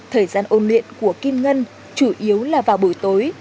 thời gian ôn luyện của kim ngân chủ yếu là vào buổi tối